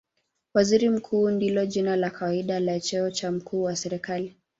Waziri Mkuu ndilo jina la kawaida la cheo cha mkuu wa serikali.